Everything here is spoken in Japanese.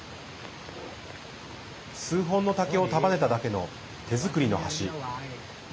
数本の竹を束ねただけの手作りの橋。